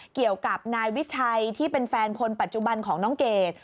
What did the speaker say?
เกี่ยวกับนายวิชัยที่เป็นแฟนคนปัจจุบันของน้องเกด